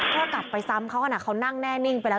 ก็กลับไปซ้ำเขาขนาดเขานั่งแน่นิ่งไปแล้ว